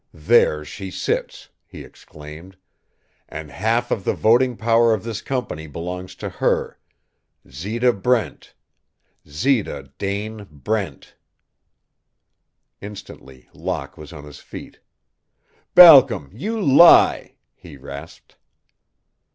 "There she sits," he exclaimed, "and half of the voting power of this company belongs to her Zita Brent, Zita Dane Brent." Instantly Locke was on his feet. "Balcom, you lie!" he rasped.